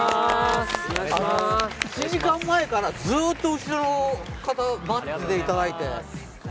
１時間前からずっと後ろの方、待っていていただいて。